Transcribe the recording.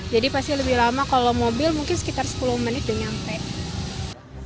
jadi pasti lebih lama kalau mobil mungkin sekitar sepuluh menit udah nyampe